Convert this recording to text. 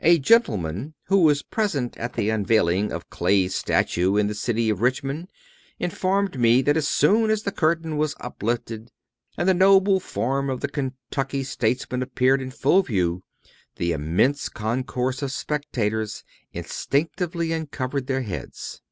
A gentleman who was present at the unveiling of Clay's statue in the city of Richmond informed me that as soon as the curtain was uplifted, and the noble form of the Kentucky statesman appeared in full view, the immense concourse of spectators instinctively uncovered their heads.